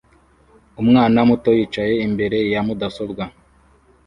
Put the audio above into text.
Umwana muto yicaye imbere ya mudasobwa